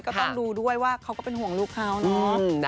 ก็ต้องดูด้วยว่าเขาก็เป็นห่วงลูกเขาเนาะ